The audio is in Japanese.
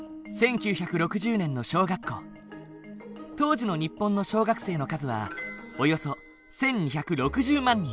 当時の日本の小学生の数はおよそ１，２６０万人。